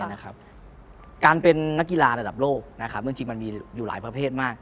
การเป็นนักกีฬาระดับโลกนะครับจริงมันมีอยู่หลายประเภทมาก